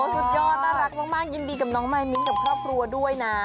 สุดยอดน่ารักมากยินดีกับน้องมายมิ้นกับครอบครัวด้วยนะ